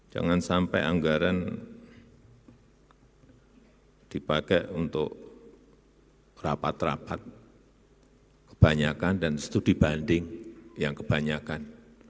jangan sampai anggaran dipakai untuk rapat rapat kebanyakan dan studi banding yang kebanyakan